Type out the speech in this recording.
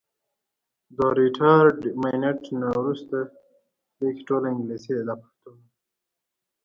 د ريټائرډ منټ نه وروستو رحمان مېډيکل انسټيتيوټ پيښور کښې